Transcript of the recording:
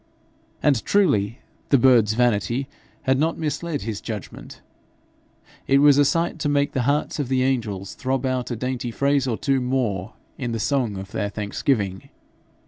And truly the bird's vanity had not misled his judgment: it was a sight to make the hearts of the angels throb out a dainty phrase or two more in the song of their thanksgiving.